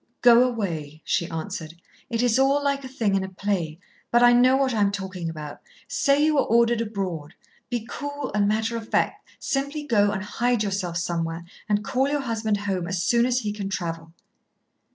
"Go away," she answered. "It is all like a thing in a play, but I know what I am talking about. Say you are ordered abroad. Be cool and matter of fact. Simply go and hide yourself somewhere, and call your husband home as soon as he can travel."